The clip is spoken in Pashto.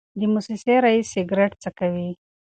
د موسسې رییس سګرټ څکوي.